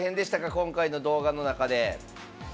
今回の動画の中で。